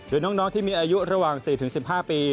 โดยน้องที่มีอายุระหว่าง๔๑๕ปี